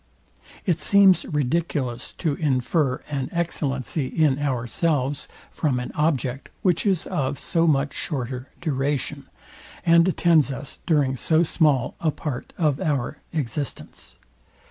It seems ridiculous to infer an excellency in ourselves from an object, which is of so much shorter duration, and attends us during so small a part of our existence.